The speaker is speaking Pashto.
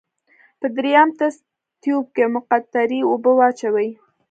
په دریم تست تیوب کې مقطرې اوبه واچوئ.